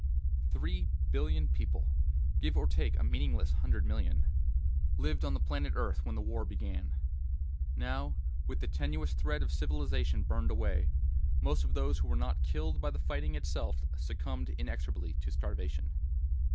Three billion people (give or take a meaningless hundred million) lived on the planet Earth when the war began. Now, with the tenuous thread of civilization burned away, most of those who were not killed by the fighting itself succumbed inexorably to starvation.